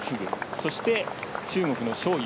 そして、中国の章勇。